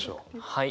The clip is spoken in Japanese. はい。